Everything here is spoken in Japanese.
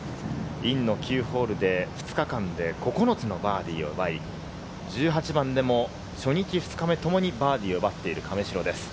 インの９ホールで２日間で９つのバーディーを奪い、初日、２日目ともにバーディーを奪っている亀代です。